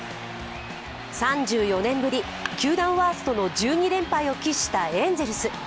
３４年ぶり、球団ワーストの１２連敗を喫したエンゼルス。